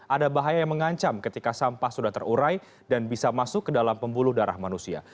ada bahaya yang mengancam ketika sampah sudah terurai dan bisa masuk ke dalam pembuluh darah manusia